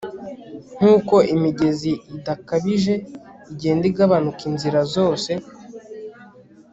Nkuko imigezi idakabije igenda igabanuka inzira zose